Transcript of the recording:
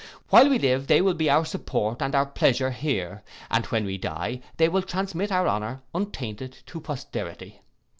While we live they will be our support and our pleasure here, and when we die they will transmit our honour untainted to posterity.